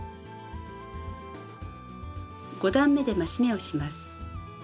５段めで増し目をします。